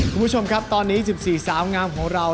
คุณผู้ชมครับตอนนี้๑๔สาวงามของเรา